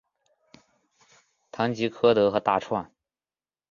唐吉柯德和大创